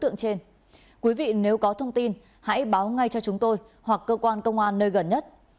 nếu có thông tin hãy báo ngay cho chúng tôi hoặc cơ quan công an nơi gần nhất